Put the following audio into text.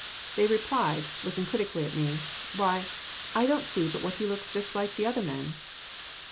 They replied, looking critically at me, "Why, I don't see but what he looks just like other men."